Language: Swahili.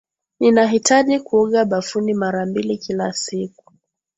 Ninahitaji kuoga bafuni mara mbili kila siku.